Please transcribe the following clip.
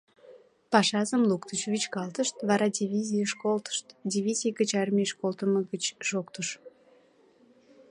Пашазым луктыч, вӱчкалтышт, вара дивизийыш колтышт, дивизий гыч армийыш колтымо гыч шоктыш...